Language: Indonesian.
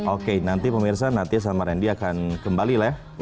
oke nanti pemirsa nanti sama randy akan kembali lah ya